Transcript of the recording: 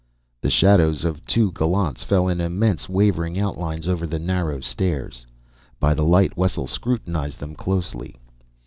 The shadows of two gallants fell in immense wavering outlines over the narrow stairs; by the light Wessel scrutinized them closely.